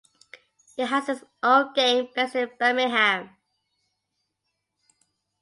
He has his own gang based in Birmingham.